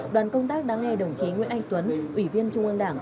đoàn công tác đã nghe đồng chí nguyễn anh tuấn ủy viên trung ương đảng